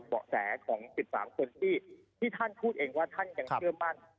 เบาะแสของ๑๓คนที่ท่านพูดเองว่าท่านยังเชื่อมั่น